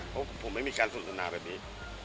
เพราะผมไม่มีการสนทนาแบบนี้